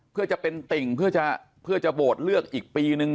เพื่อจะเป็นติ่งเพื่อจะโหวตเลือกอีกปีนึง